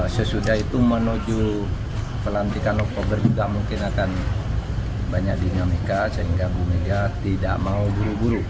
sesudah itu menuju pelantikan oktober juga mungkin akan banyak dinamika sehingga bu mega tidak mau buru buru